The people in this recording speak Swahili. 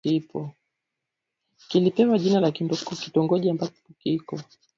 Kilipewa jina la kitongoji ambapo kipo